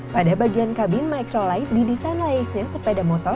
pada bagian kabin microlight didesain layaknya sepeda motor